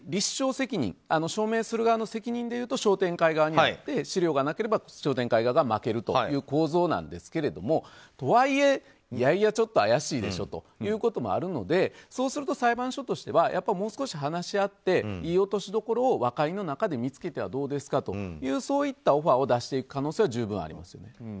責任証明する側の責任で言うと商店会にあって、資料がなければ負けるという構造なんですがとはいえ、いやいやちょっと怪しいでしょということもあるのでそうすると裁判所としてはもう少し話し合って良い落としどころを和解の中で見つけてはどうですかというオファーを出していくことは十分ありますよね。